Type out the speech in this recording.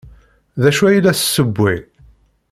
D acu ay la tessewway?